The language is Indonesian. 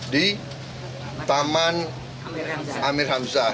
di taman amir hamzah